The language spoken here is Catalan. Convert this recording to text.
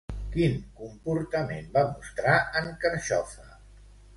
Quin comportament va mostrar en Carxofa?